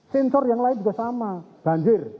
sensor yang lain juga sama banjir